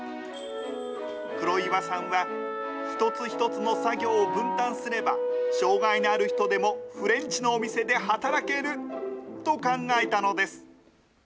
黒岩さんは一つ一つの作業を分担すれば、障害のある人でもフレンチのお店で働けると考えたのです。